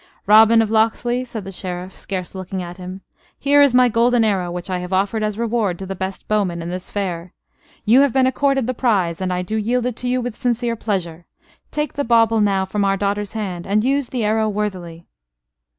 "Robin of Locksley," said the Sheriff, scarce looking at him, "here is my golden arrow which I have offered as reward to the best bowman in this Fair. You have been accorded the prize; and I do yield it to you with sincere pleasure. Take the bauble now from our daughter's hand, and use the arrow worthily."